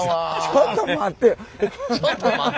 ちょっと待ってよ。